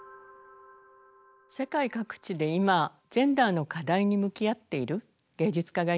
世界各地で今ジェンダーの課題に向き合っている芸術家がいます。